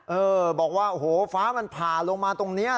เออบอกว่าโอ้โหฟ้ามันผ่าลงมาตรงนี้